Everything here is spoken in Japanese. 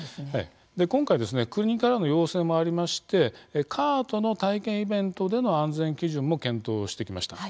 今回、国からの要請もありましてカートの体験イベントでの安全基準も検討してきました。